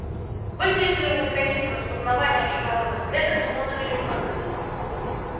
Высветліў механізм распазнавання чужародных клетак імуннымі лімфацытамі.